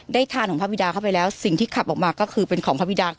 ทานของพระบิดาเข้าไปแล้วสิ่งที่ขับออกมาก็คือเป็นของพระบิดา